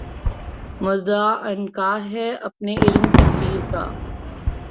مدعا عنقا ہے اپنے عالم تقریر کا